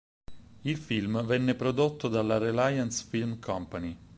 Il film venne prodotto dalla Reliance Film Company.